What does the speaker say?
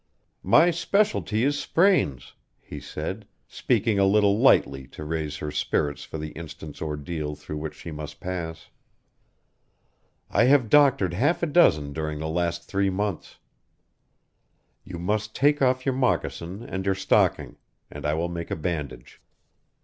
"My specialty is sprains," he said, speaking a little lightly to raise her spirits for the instant's ordeal through which she must pass. "I have doctored half a dozen during the last three months. You must take off your moccasin and your stocking, and I will make a bandage."